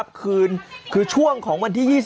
บ้าจริงเดี๋ยว